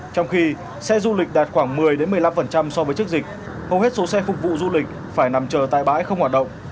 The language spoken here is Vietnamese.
trong khi xe du lịch đạt khoảng một mươi một mươi năm so với trước dịch hầu hết số xe phục vụ du lịch phải nằm chờ tại bãi không hoạt động